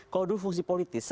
kalau dulu fungsi politik